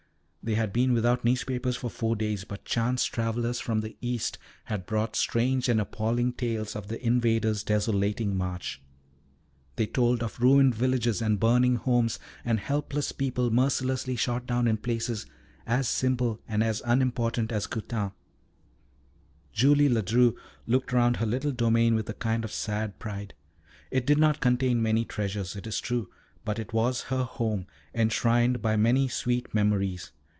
They had been without newspapers for four days, but chance travellers from the East had brought strange and appalling tales of the invaders' desolating march. They told of ruined villages and burning homes, and helpless people mercilessly shot down in places as simple and as unimportant as Coutane. Julie Ledru looked round her little domain with a kind of sad pride. It did not contain many treasures, it is true, but it was her home, enshrined by many sweet memories.